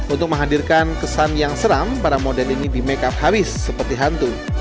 untuk menghadirkan kesan yang seram para model ini di makeup habis seperti hantu